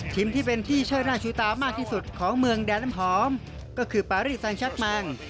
ทีมที่เป็นที่เช่นหน้าชูตามากที่สุดของเมืองแดดน้ำหอมก็คือปาริสังชัดแมง